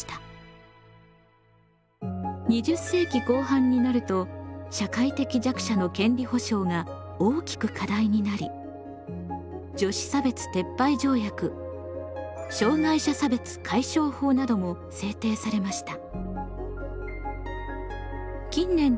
２０世紀後半になると社会的弱者の権利保障が大きく課題になり女子差別撤廃条約障害者差別解消法なども制定されました。